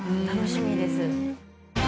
楽しみです。